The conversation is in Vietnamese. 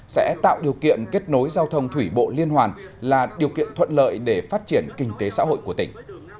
sẽ tạo điều kiện kết nối giao thông thủy bộ liên hoàn là điều kiện thuận lợi để phát triển kinh tế xã hội của tỉnh